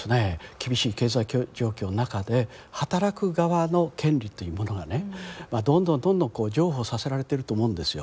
厳しい経済状況の中で働く側の権利というものがねどんどんどんどん譲歩させられてると思うんですよ。